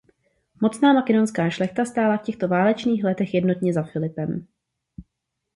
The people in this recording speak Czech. Mocná makedonská šlechta stála v těchto válečných letech jednotně za Filipem.